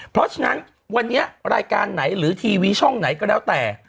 เพราะฉะนั้นวันนี้รายการไหนหรือทีวีช่องไหนก็แล้วแต่